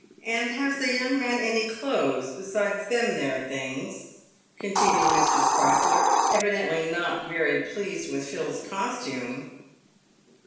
" And has the young man any clothes besides them there things ?" continued Mr. Sparkler, evidently not very pleased with Phil's costume.